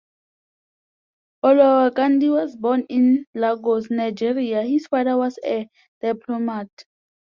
Olowokandi was born in Lagos, Nigeria; his father was a diplomat.